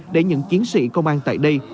để những chiến sĩ công an tại đây